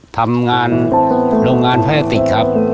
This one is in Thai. ทำงานโรงงานแพคติกครับ